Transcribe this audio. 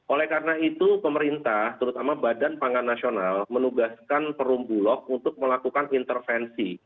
oleh karena itu pemerintah terutama badan pangan nasional menugaskan perumbulok untuk melakukan intervensi